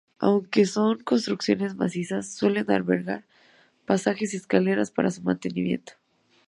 Aunque son construcciones macizas, suele albergar pasajes y escaleras para su mantenimiento.